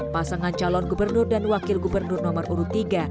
pasangan calon gubernur dan wakil gubernur nomor urut tiga